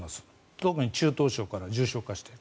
特に中等症から重症化している。